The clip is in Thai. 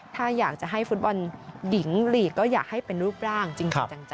ถ้าอยากจะให้ฟุตบอลหญิงลีกก็อยากให้เป็นรูปร่างจริงจัง